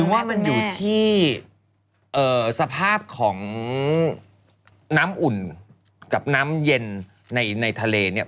ว่ามันอยู่ที่สภาพของน้ำอุ่นกับน้ำเย็นในทะเลเนี่ย